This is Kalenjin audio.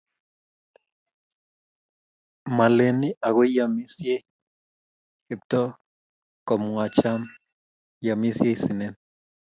maleni agoi iamisie Kiptoo, kamuacham iamisie sinen